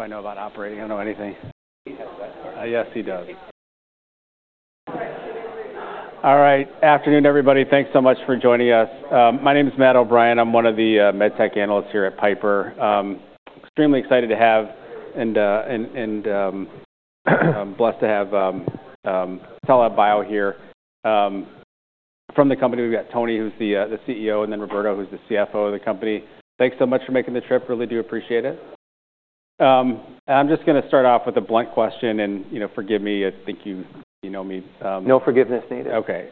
I know about operating. I don't know anything. He has that card. Yes, he does. All right. Afternoon, everybody. Thanks so much for joining us. My name is Matt O'Brien. I'm one of the med tech analysts here at Piper. Extremely excited and blessed to have TELA Bio here. From the company, we've got Tony, who's the CEO, and then Roberto, who's the CFO of the company. Thanks so much for making the trip. Really do appreciate it. I'm just gonna start off with a blunt question, and you know, forgive me. I think you, you know me. No forgiveness needed. Okay.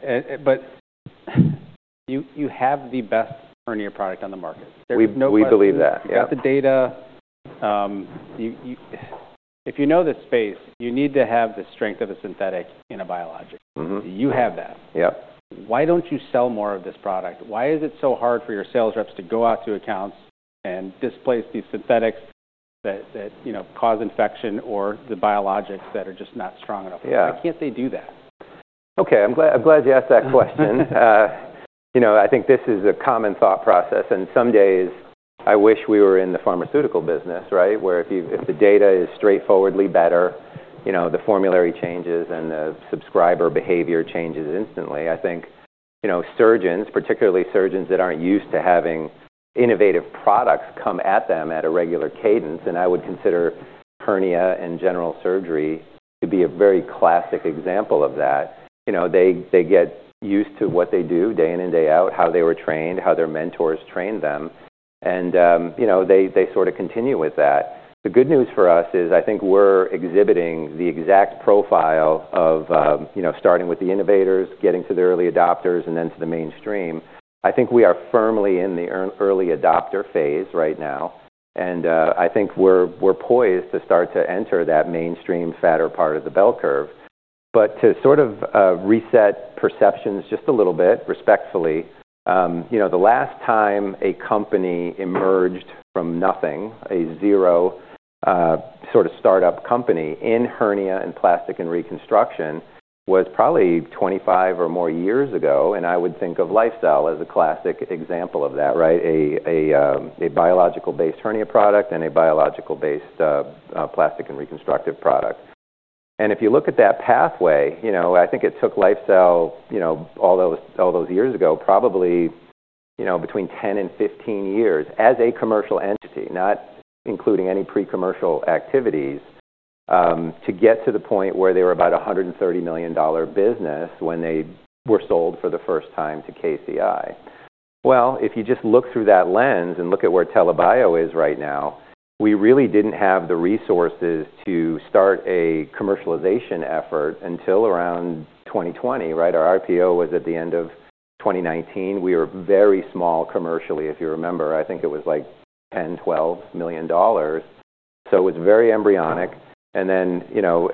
You have the best hernia product on the market. There's no question. We believe that, yeah. You've got the data. You if you know this space, you need to have the strength of a synthetic in a biologic. You have that. Yeah. Why don't you sell more of this product? Why is it so hard for your sales reps to go out to accounts and displace these synthetics that you know cause infection or the biologics that are just not strong enough? Why can't they do that? Okay. I'm glad you asked that question. You know, I think this is a common thought process, and some days, I wish we were in the pharmaceutical business, right? Where if the data is straightforwardly better, you know, the formulary changes and the subscriber behavior changes instantly. I think, you know, surgeons, particularly surgeons that aren't used to having innovative products come at them at a regular cadence, and I would consider hernia and general surgery to be a very classic example of that. You know, they get used to what they do day in and day out, how they were trained, how their mentors trained them, and you know, they sorta continue with that. The good news for us is I think we're exhibiting the exact profile of, you know, starting with the innovators, getting to the early adopters, and then to the mainstream. I think we are firmly in the early adopter phase right now. I think we're poised to start to enter that mainstream fatter part of the bell curve. But to sort of reset perceptions just a little bit, respectfully, you know, the last time a company emerged from nothing, a zero, sort of startup company in hernia and plastic and reconstruction was probably 25 or more years ago, and I would think of LifeCell as a classic example of that, right? A biological-based hernia product and a biological-based, plastic and reconstructive product. If you look at that pathway, you know, I think it took LifeCell, you know, all those, all those years ago, probably, you know, between 10 and 15 years as a commercial entity, not including any pre-commercial activities, to get to the point where they were about a $130 million business when they were sold for the first time to KCI. If you just look through that lens and look at where TELA Bio is right now, we really didn't have the resources to start a commercialization effort until around 2020, right? Our IPO was at the end of 2019. We were very small commercially, if you remember. I think it was like $10 million-$12 million. So it was very embryonic.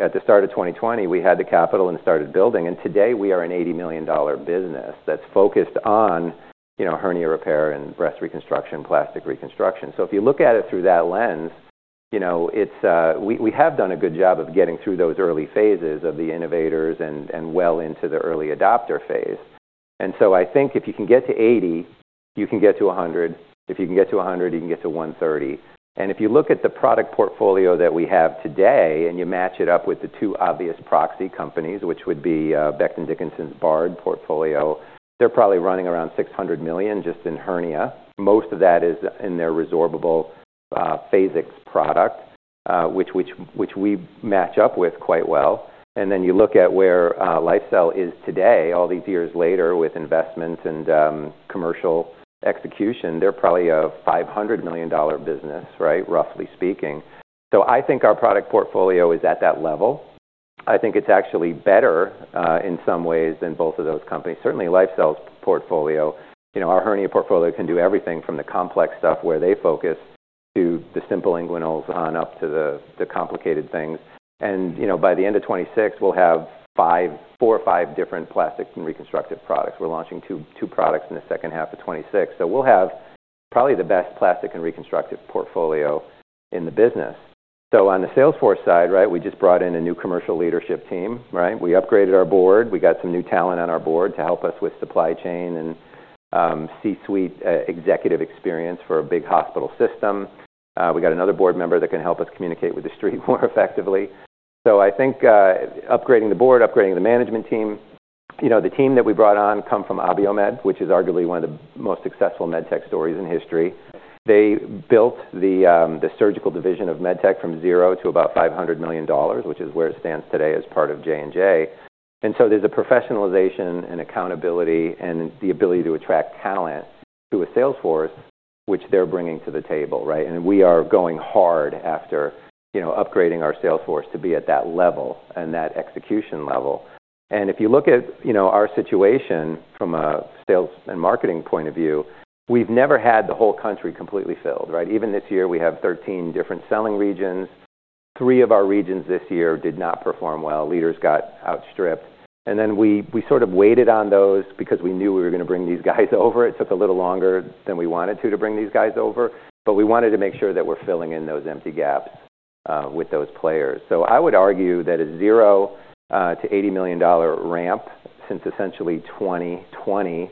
At the start of 2020, you know, we had the capital and started building. Today, we are an $80 million business that's focused on, you know, hernia repair and breast reconstruction, plastic reconstruction. If you look at it through that lens, you know, it's, we have done a good job of getting through those early phases of the innovators and well into the early adopter phase. I think if you can get to 80, you can get to 100. If you can get to 100, you can get to 130. If you look at the product portfolio that we have today and you match it up with the two obvious proxy companies, which would be Becton, Dickinson's Bard portfolio, they're probably running around $600 million just in hernia. Most of that is in their resorbable Phasix product, which we match up with quite well. And then you look at where LifeCell is today, all these years later with investments and commercial execution. They're probably a $500 million business, right? Roughly speaking. So I think our product portfolio is at that level. I think it's actually better, in some ways than both of those companies. Certainly, LifeCell's portfolio, you know, our hernia portfolio can do everything from the complex stuff where they focus to the simple inguinals on up to the complicated things. And, you know, by the end of 2026, we'll have four or five different plastic and reconstructive products. We're launching two products in the second half of 2026. So we'll have probably the best plastic and reconstructive portfolio in the business. So on the sales force side, right, we just brought in a new commercial leadership team, right? We upgraded our board. We got some new talent on our board to help us with supply chain and C-suite executive experience for a big hospital system. We got another board member that can help us communicate with the street more effectively. I think upgrading the board, upgrading the management team, you know, the team that we brought on come from Abiomed, which is arguably one of the most successful med tech stories in history. They built the surgical division of med tech from zero to about $500 million, which is where it stands today as part of J&J. And so there's a professionalization and accountability and the ability to attract talent to a sales force, which they're bringing to the table, right? And we are going hard after, you know, upgrading our sales force to be at that level and that execution level. If you look at, you know, our situation from a sales and marketing point of view, we've never had the whole country completely filled, right? Even this year, we have 13 different selling regions. Three of our regions this year did not perform well. Leaders got outstripped. Then we sort of waited on those because we knew we were gonna bring these guys over. It took a little longer than we wanted to bring these guys over. But we wanted to make sure that we're filling in those empty gaps with those players. So I would argue that a zero to $80 million ramp since essentially 2020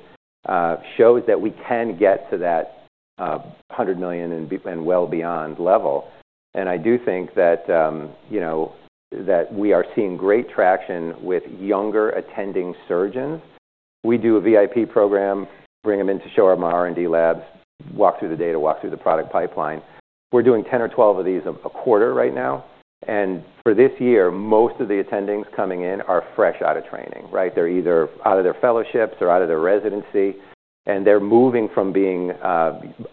shows that we can get to that $100 million and be well beyond level. I do think that, you know, that we are seeing great traction with younger attending surgeons. We do a VIP program, bring them in to show up in our R&D labs, walk through the data, walk through the product pipeline. We're doing 10 or 12 of these a quarter right now. And for this year, most of the attendings coming in are fresh out of training, right? They're either out of their fellowships or out of their residency. And they're moving from being,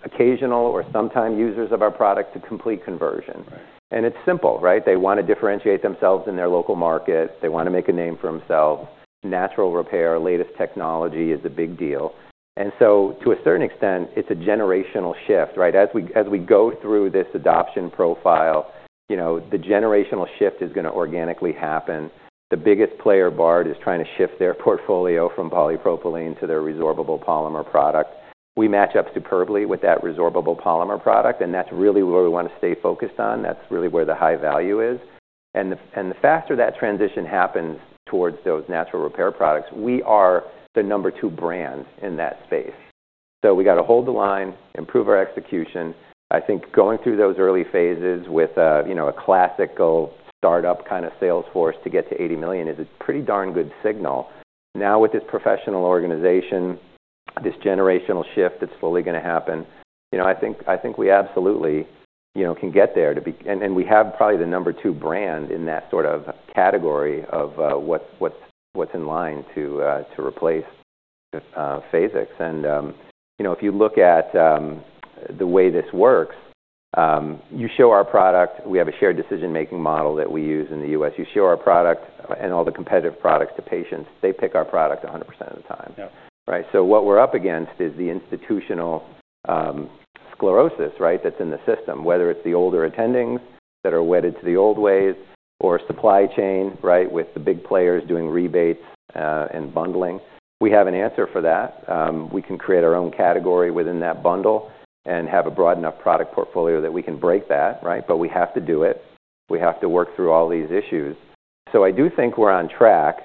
occasional or sometime users of our product to complete conversion. And it's simple, right? They wanna differentiate themselves in their local market. They wanna make a name for themselves. Natural repair, latest technology is a big deal. And so to a certain extent, it's a generational shift, right? As we go through this adoption profile, you know, the generational shift is gonna organically happen. The biggest player, Bard, is trying to shift their portfolio from polypropylene to their resorbable polymer product. We match up superbly with that resorbable polymer product. And that's really where we wanna stay focused on. That's really where the high value is. And the faster that transition happens towards those natural repair products, we are the number two brand in that space. So we got to hold the line, improve our execution. I think going through those early phases with, you know, a classical startup kind of sales force to get to $80 million is a pretty darn good signal. Now, with this professional organization, this generational shift that's slowly gonna happen, you know, I think we absolutely, you know, can get there to be and, and we have probably the number two brand in that sort of category of, what's in line to replace Phasix. You know, if you look at the way this works, you show our product. We have a shared decision-making model that we use in the U.S. You show our product and all the competitive products to patients. They pick our product 100% of the time. Right? So what we're up against is the institutional sclerosis, right, that's in the system, whether it's the older attendings that are wedded to the old ways or supply chain, right, with the big players doing rebates and bundling. We have an answer for that. We can create our own category within that bundle and have a broad enough product portfolio that we can break that, right? But we have to do it. We have to work through all these issues. So I do think we're on track.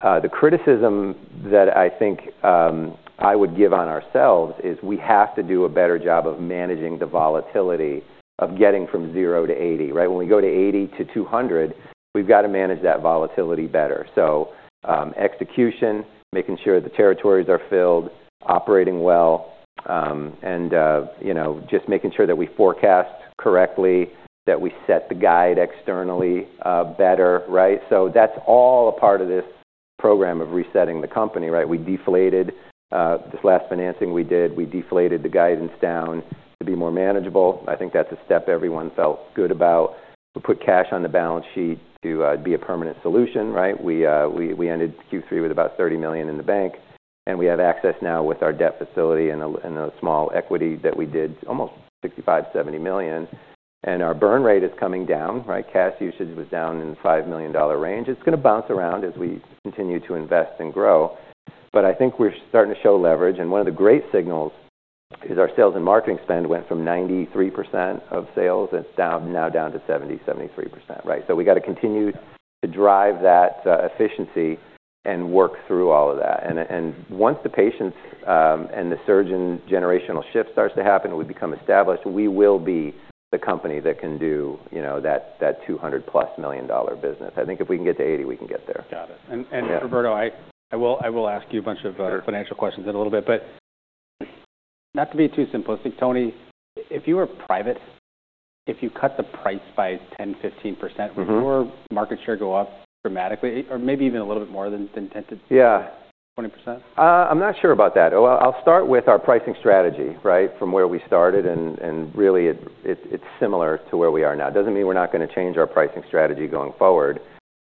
The criticism that I think I would give on ourselves is we have to do a better job of managing the volatility of getting from 0 to 80, right? When we go to 80 to 200, we've got to manage that volatility better. Execution, making sure the territories are filled, operating well, and, you know, just making sure that we forecast correctly, that we set the guide externally, better, right? That's all a part of this program of resetting the company, right? We deflated this last financing we did. We deflated the guidance down to be more manageable. I think that's a step everyone felt good about. We put cash on the balance sheet to be a permanent solution, right? We ended Q3 with about $30 million in the bank. We have access now with our debt facility and a small equity that we did almost $65 million-$70 million. Our burn rate is coming down, right? Cash usage was down in the $5 million range. It's gonna bounce around as we continue to invest and grow. I think we're starting to show leverage. One of the great signals is our sales and marketing spend went from 93% of sales. It's down now, down to 70%-73%, right? So we got to continue to drive that, efficiency and work through all of that. Once the patients and the surgeon generational shift starts to happen, we become established, we will be the company that can do, you know, that $200+ million business. I think if we can get to 80%, we can get there. Got it. And Roberto, I will ask you a bunch of financial questions in a little bit. But not to be too simplistic, Tony, if you were private, if you cut the price by 10%-15%. Would your market share go up dramatically or maybe even a little bit more than 10% to 20%? I'm not sure about that. I'll start with our pricing strategy, right, from where we started and really, it's similar to where we are now. Doesn't mean we're not gonna change our pricing strategy going forward.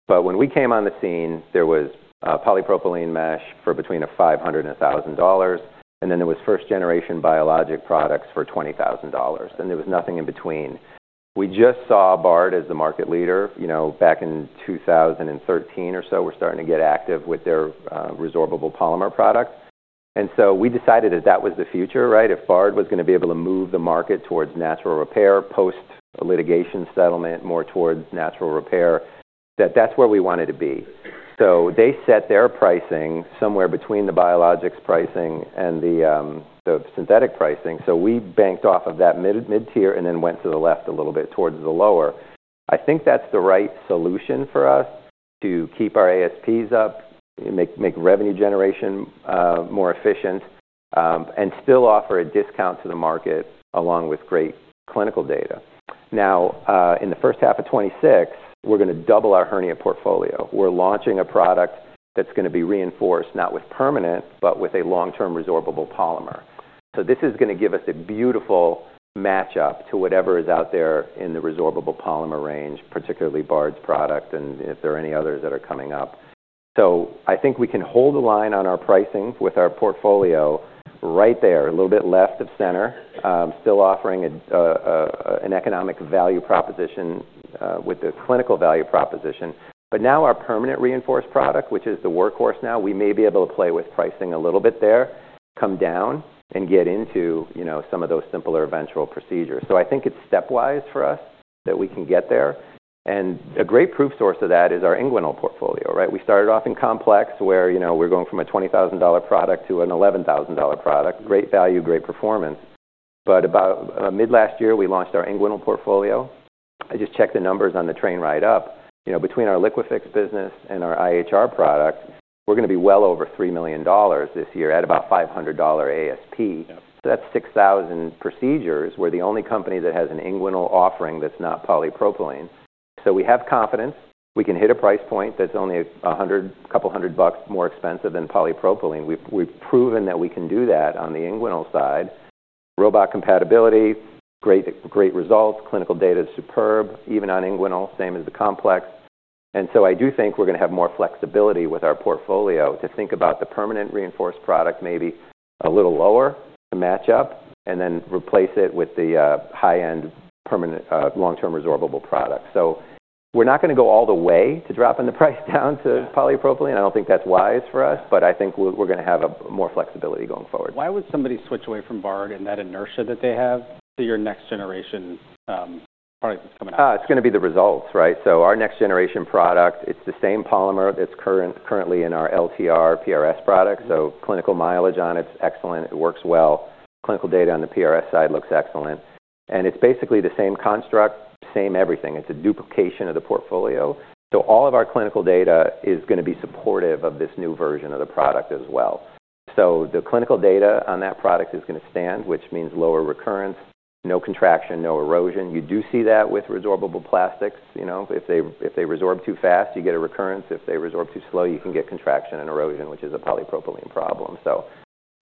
But when we came on the scene, there was polypropylene mesh for between $500 and $1,000. And then there was first-generation biologic products for $20,000. And there was nothing in between. We just saw Bard as the market leader, you know, back in 2013 or so. We're starting to get active with their resorbable polymer product. And so we decided that that was the future, right? If Bard was going to be able to move the market towards natural repair, post-litigation settlement more towards natural repair, that's where we wanted to be. So they set their pricing somewhere between the biologics pricing and the synthetic pricing. So we banked off of that mid-tier and then went to the left a little bit towards the lower. I think that's the right solution for us to keep our ASPs up, make revenue generation more efficient, and still offer a discount to the market along with great clinical data. Now, in the first half of 2026, we're gonna double our hernia portfolio. We're launching a product that's going to be reinforced, not with permanent, but with a long-term resorbable polymer. So this is going to give us a beautiful matchup to whatever is out there in the resorbable polymer range, particularly Bard's product and if there are any others that are coming up. So I think we can hold the line on our pricing with our portfolio right there, a little bit left of center, still offering an economic value proposition, with the clinical value proposition. But now our permanent reinforced product, which is the workhorse now, we may be able to play with pricing a little bit there, come down, and get into, you know, some of those simpler eventual procedures. So I think it's stepwise for us that we can get there. And a great proof source of that is our inguinal portfolio, right? We started off in complex where, you know, we're going from a $20,000 product to an $11,000 product. Great value, great performance. But about mid-last year, we launched our inguinal portfolio. I just checked the numbers on the train ride up. You know, between our LiquiFix business and our IHR product, we're gonna be well over $3 million this year at about $500 ASP. So that's 6,000 procedures. We're the only company that has an inguinal offering that's not polypropylene. So we have confidence. We can hit a price point that's only a $100-$200 more expensive than polypropylene. We've, we've proven that we can do that on the inguinal side. Robot compatibility, great, great results. Clinical data is superb, even on inguinal, same as the complex. And so I do think we're gonna have more flexibility with our portfolio to think about the permanent reinforced product maybe a little lower to match up and then replace it with the high-end permanent, long-term resorbable product. So we're not gonna go all the way to dropping the price down to polypropylene. I don't think that's wise for us. But I think we're, we're going to have a more flexibility going forward. Why would somebody switch away from Bard in that inertia that they have to your next generation, product that's coming out? It's going to be the results, right? Our next generation product, it's the same polymer that's current, currently in our LCR, PRS product so clinical mileage on it's excellent. It works well. Clinical data on the PRS side looks excellent. It's basically the same construct, same everything. It's a duplication of the portfolio. All of our clinical data is gonna be supportive of this new version of the product as well. The clinical data on that product is gonna stand, which means lower recurrence, no contraction, no erosion. You do see that with resorbable plastics, you know? If they resorb too fast, you get a recurrence. If they resorb too slow, you can get contraction and erosion, which is a polypropylene problem.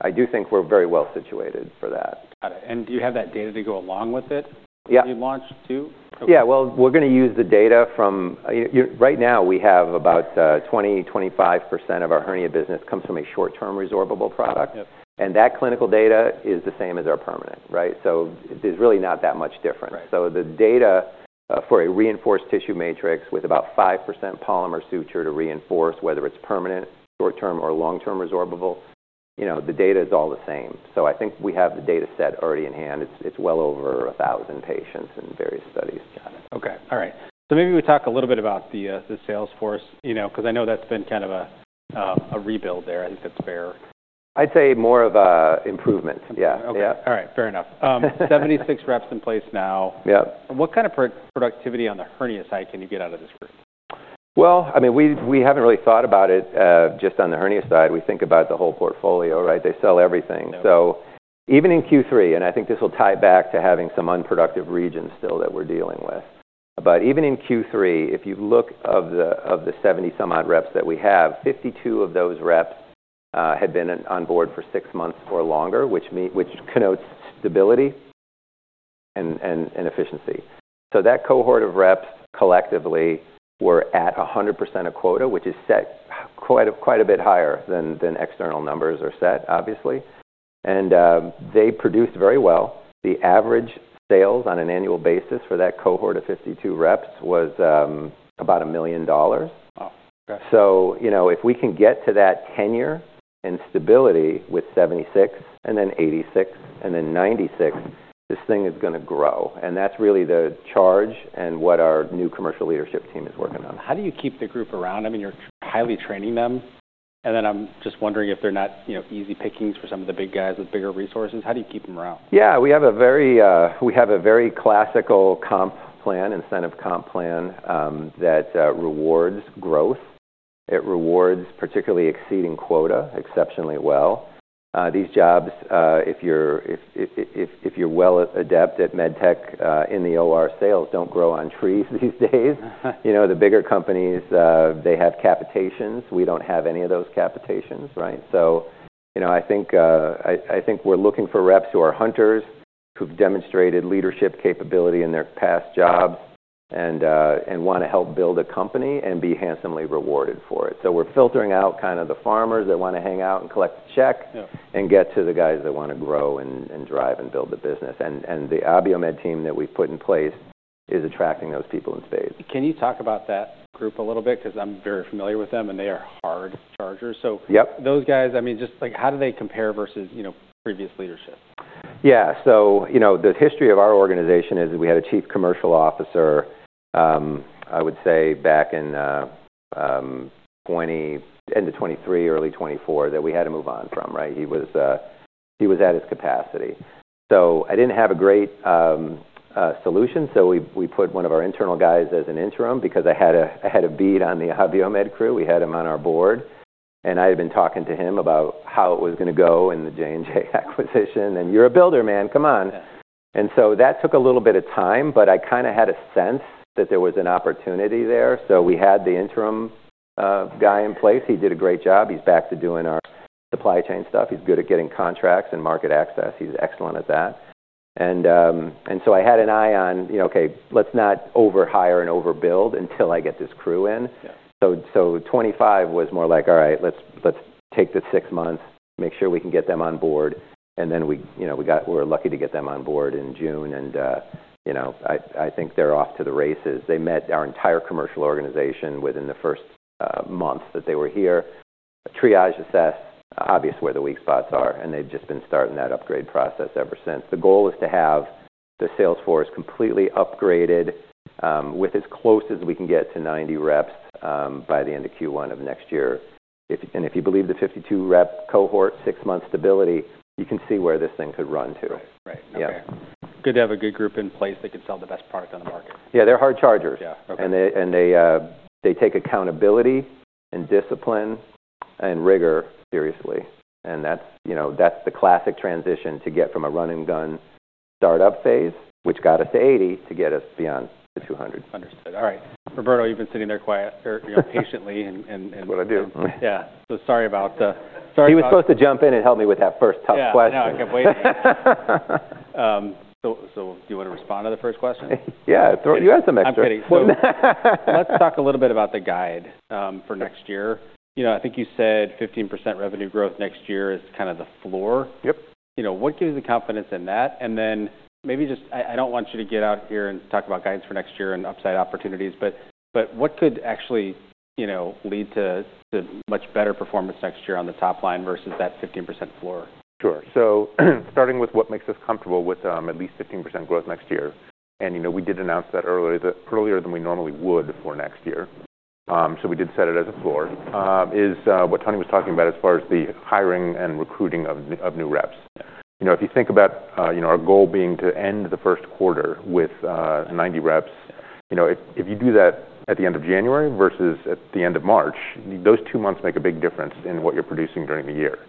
I do think we're very well situated for that. Got it. And do you have that data to go along with it? That you launched too? Yeah. Well, we're going to use the data from, you know, right now we have about 20%-25% of our hernia business comes from a short-term resorbable product and that clinical data is the same as our permanent, right? There's really not that much difference. So the data, for a reinforced tissue matrix with about 5% polymer suture to reinforce, whether it's permanent, short-term, or long-term resorbable, you know, the data is all the same. So I think we have the data set already in hand. It's well over 1,000 patients and various studies. Got it. Okay. All right. So maybe we talk a little bit about the sales force, you know, because I know that's been kind of a rebuild there. I think that's fair. I'd say more of a improvement. Yeah. Okay. All right. Fair enough. You said 76 reps in place now, what kind of productivity on the hernia side can you get out of this group? I mean, we haven't really thought about it, just on the hernia side. We think about the whole portfolio, right? They sell everything. So even in Q3, and I think this will tie back to having some unproductive regions still that we're dealing with. But even in Q3, if you look of the 70-some-odd reps that we have, 52 of those reps had been on board for six months or longer, which connotes stability and efficiency. So that cohort of reps collectively were at 100% of quota, which is set quite a bit higher than external numbers are set, obviously, and they produced very well. The average sales on an annual basis for that cohort of 52 reps was about $1 million. Wow. Okay. So, you know, if we can get to that tenure and stability with 76 and then 86 and then 96, this thing is going to grow. And that's really the charge and what our new commercial leadership team is working on. How do you keep the group around? I mean, you're highly training them. And then I'm just wondering if they're not, you know, easy pickings for some of the big guys with bigger resources. How do you keep them around? Yeah. We have a very classical comp plan, incentive comp plan, that rewards growth. It rewards particularly exceeding quota exceptionally well. These jobs, if you're well adept at med tech, in the OR sales, don't grow on trees these days. You know, the bigger companies, they have capitations. We don't have any of those capitations, right? So, you know, I think we're looking for reps who are hunters, who've demonstrated leadership capability in their past jobs and wanna help build a company and be handsomely rewarded for it. So we're filtering out kind of the farmers that wanna hang out and collect the check. Get to the guys that want to grow and drive and build the business. The Abiomed team that we've put in place is attracting those people in spades. Can you talk about that group a little bit? Because I'm very familiar with them and they are hard chargers. So. Those guys, I mean, just like, how do they compare versus, you know, previous leadership? Yeah. So, you know, the history of our organization is we had a chief commercial officer, I would say back in 20, end of 2023, early 2024 that we had to move on from, right? He was at his capacity. So I didn't have a great solution. So we put one of our internal guys as an interim because I had a bead on the Abiomed crew. We had him on our board. And I had been talking to him about how it was gonna go in the J&J acquisition. And you're a builder, man. Come on. And so that took a little bit of time, but I kind of had a sense that there was an opportunity there. So we had the interim guy in place. He did a great job. He's back to doing our supply chain stuff. He's good at getting contracts and market access. He's excellent at that. And so I had an eye on, you know, okay, let's not overhire and overbuild until I get this crew in 2025 was more like, all right, let's take the six months, make sure we can get them on board. Then we, you know, got lucky to get them on board in June. You know, I think they're off to the races. They met our entire commercial organization within the first months that they were here. Triage assessed, obvious where the weak spots are. They've just been starting that upgrade process ever since. The goal is to have the sales force completely upgraded, with as close as we can get to 90 reps, by the end of Q1 of next year. If you believe the 52 rep cohort, six months stability, you can see where this thing could run to. Right. Right. Okay. Good to have a good group in place that can sell the best product on the market. Yeah. They're hard chargers. They take accountability and discipline and rigor seriously. That's, you know, the classic transition to get from a run-and-gun startup phase, which got us to 80, to get us beyond the 200. Understood. All right. Roberto, you've been sitting there quiet or, you know, patiently and what do I do? So sorry about that. He was supposed to jump in and help me with that first tough question. Yeah. No, I kept waiting, so, so do you want respond to the first question? Yeah. Throw, you had some extra. I'm kidding, so let's talk a little bit about the guide for next year. You know, I think you said 15% revenue growth next year is kinda the floor. You know, what gives you the confidence in that? And then maybe just, I don't want you to get out here and talk about guidance for next year and upside opportunities. But what could actually, you know, lead to much better performance next year on the top line versus that 15% floor? Sure. So starting with what makes us comfortable with at least 15% growth next year. And, you know, we did announce that earlier than we normally would for next year. So we did set it as a floor. What Tony was talking about as far as the hiring and recruiting of new reps. You know, if you think about, you know, our goal being to end the first quarter with 90 reps. You know, if you do that at the end of January versus at the end of March, those two months make a big difference in what you're producing during the year.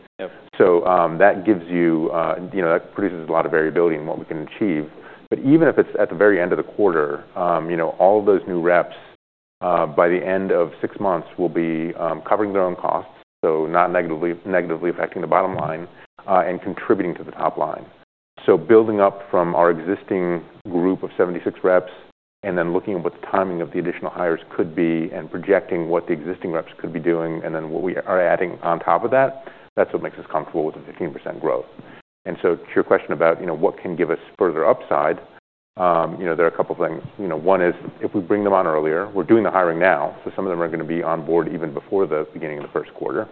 So, that gives you, you know, that produces a lot of variability in what we can achieve. But even if it's at the very end of the quarter, you know, all of those new reps, by the end of six months will be covering their own costs, so not negatively affecting the bottom line, and contributing to the top line. So building up from our existing group of 76 reps and then looking at what the timing of the additional hires could be and projecting what the existing reps could be doing and then what we are adding on top of that, that's what makes us comfortable with the 15% growth. And so to your question about, you know, what can give us further upside, you know, there are a couple of things. You know, one is if we bring them on earlier, we're doing the hiring now. So some of them are gonna be on board even before the beginning of the first quarter.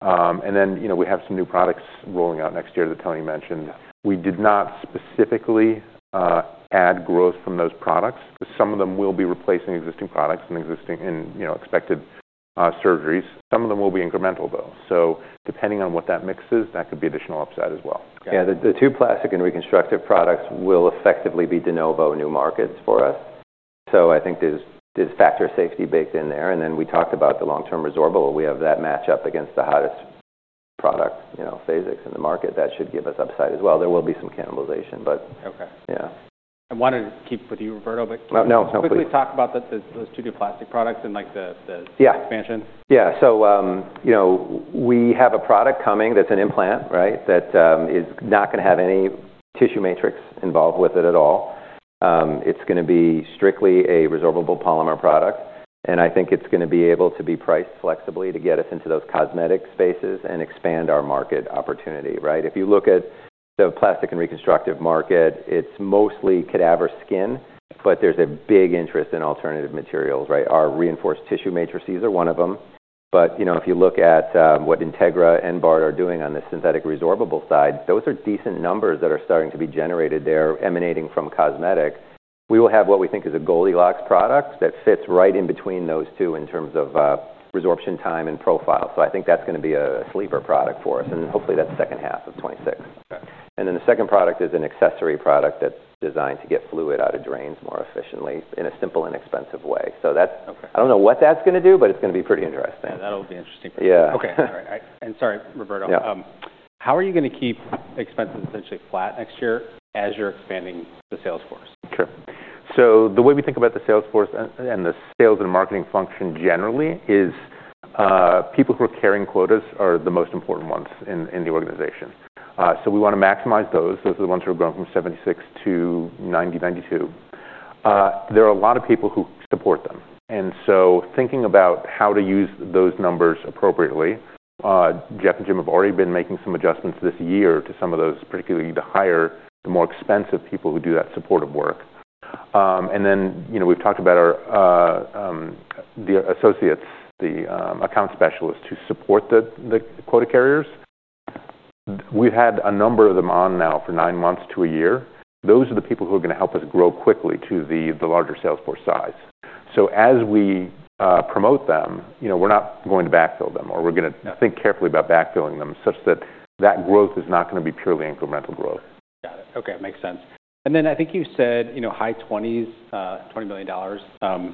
And then, you know, we have some new products rolling out next year that Tony mentioned. We did not specifically add growth from those products 'cause some of them will be replacing existing products and, you know, expected surgeries. Some of them will be incremental though. So depending on what that mix is, that could be additional upside as well. The two plastic and reconstructive products will effectively be de novo new markets for us. So I think there's factor of safety baked in there. And then we talked about the long-term resorbable. We have that match up against the hottest product, you know, Phasix in the market. That should give us upside as well. There will be some cannibalization, but. I wanted to keep with you, Roberto, but. No, no. Can you quickly talk about those two new plastic products and like the expansion? Yeah. So, you know, we have a product coming that's an implant, right, that is not gonna have any tissue matrix involved with it at all. It's gonna be strictly a resorbable polymer product. And I think it's going to be able to be priced flexibly to get us into those cosmetic spaces and expand our market opportunity, right? If you look at the plastic and reconstructive market, it's mostly cadaver skin, but there's a big interest in alternative materials, right? Our reinforced tissue matrices are one of them. But, you know, if you look at what Integra and Bard are doing on the synthetic resorbable side, those are decent numbers that are starting to be generated there emanating from cosmetic. We will have what we think is a Goldilocks product that fits right in between those two in terms of resorption time and profile. So I think that's gonna be a sleeper product for us. And hopefully that's second half of 2026. And then the second product is an accessory product that's designed to get fluid out of drains more efficiently in a simple and inexpensive way. So that's. I don't know what that's gonna do, but it's gonna be pretty interesting. Yeah. That'll be interesting for sure. Okay. All right, and sorry, Roberto. How are you gonna keep expenses essentially flat next year as you're expanding the sales force? Sure. So the way we think about the sales force and the sales and marketing function generally is, people who are carrying quotas are the most important ones in the organization. So we wanna maximize those. Those are the ones who are growing from 76 to 90, 92. There are a lot of people who support them, and so thinking about how to use those numbers appropriately, Jeff and Jim have already been making some adjustments this year to some of those, particularly the higher, the more expensive people who do that supportive work. And then, you know, we've talked about our associates, the account specialists who support the quota carriers. We've had a number of them on now for nine months to a year. Those are the people who are gonna help us grow quickly to the larger sales force size. So as we promote them, you know, we're not going to backfill them or we're gonna. Think carefully about backfilling them such that that growth is not gonna be purely incremental growth. Got it. Okay. Makes sense. And then I think you said, you know, high 20s, $20 million,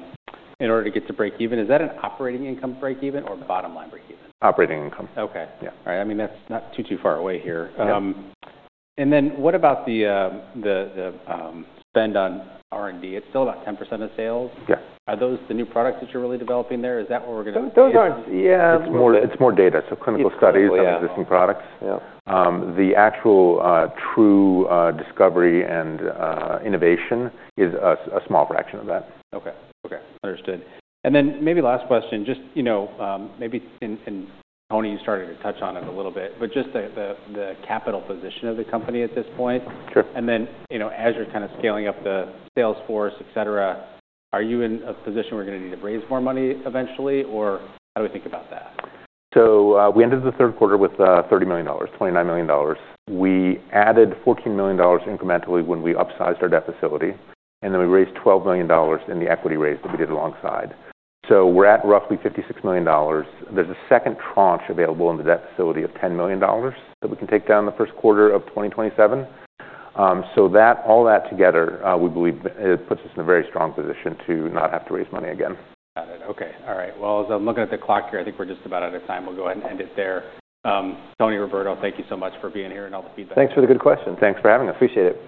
in order to get to break even. Is that an operating income break even or bottom line break even? Operating income. All right. I mean, that's not too, too far away here. And then what about the spend on R&D? It's still about 10% of sales. Are those the new products that you're really developing there? Is that what we're gonna focus on? Those are, yeah. It's more data. So, clinical studies of existing products. The actual, true discovery and innovation is a small fraction of that. Understood. And then maybe last question, just, you know, maybe in Tony, you started to touch on it a little bit, but just the capital position of the company at this point. Sure. And then, you know, as you're kinda scaling up the sales force, etc., are you in a position where you're gonna need to raise more money eventually, or how do we think about that? So, we ended the third quarter with $30 million, $29 million. We added $14 million incrementally when we upsized our debt facility. And then we raised $12 million in the equity raise that we did alongside. So we're at roughly $56 million. There's a second tranche available in the debt facility of $10 million that we can take down the first quarter of 2027. So that, all that together, we believe it puts us in a very strong position to not have to raise money again. Got it. Okay. All right. Well, as I'm looking at the clock here, I think we're just about out of time. We'll go ahead and end it there. Tony, Roberto, thank you so much for being here and all the feedback. Thanks for the good question. Thanks for having us. Appreciate it.